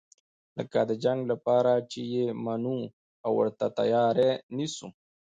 لکه د جنګ لپاره چې یې منو او ورته تیاری نیسو.